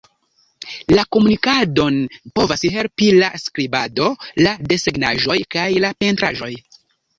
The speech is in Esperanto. La komunikadon povas helpi la skribado, la desegnaĵoj kaj la pentraĵoj.